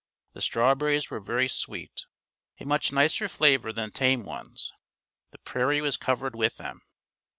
The strawberries were very sweet, a much nicer flavor than tame ones. The prairie was covered with them.